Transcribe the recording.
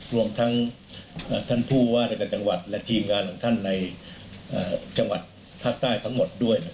รวมทั้งท่านผู้ว่ารายการจังหวัดและทีมงานของท่านในจังหวัดภาคใต้ทั้งหมดด้วย